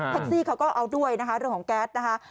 ซี่เขาก็เอาด้วยนะคะเรื่องของแก๊สนะคะ